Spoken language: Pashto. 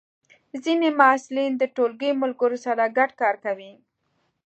ځینې محصلین د ټولګی ملګرو سره ګډ کار کوي.